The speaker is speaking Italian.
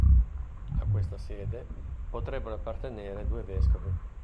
A questa sede potrebbero appartenere due vescovi.